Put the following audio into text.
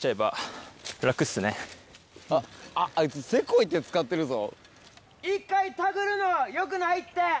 あっあいつせこい手使ってるぞ。